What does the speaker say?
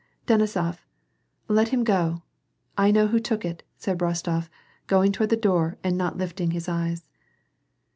" Denisof, let him go, I know who took it," said Bostof, going toward the door and not lifting his eyes.